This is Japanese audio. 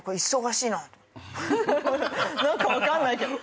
何か分かんないけど。